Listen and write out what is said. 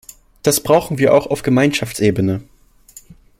Das brauchen wir auch auf Gemeinschaftsebene.